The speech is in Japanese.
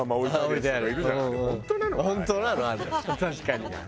確かに。